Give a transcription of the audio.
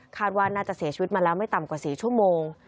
ว่าน่าจะเสียชีวิตมาแล้วไม่ต่ำกว่า๔ชั่วโมง